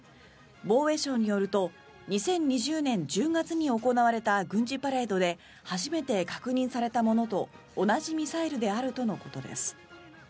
防衛省によると２０２０年１０月に行われた軍事パレードで初めて確認されたものと同じミサイルであるとのことです。